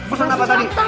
pesan apa tadi